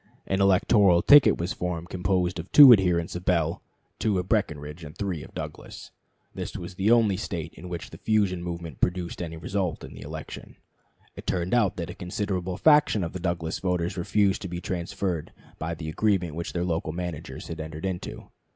An electoral ticket was formed, composed of two adherents of Bell, two of Breckinridge, and three of Douglas. This was the only State in which the fusion movement produced any result in the election. It turned out that a considerable fraction of the Douglas voters refused to be transferred by the agreement which their local managers had entered into.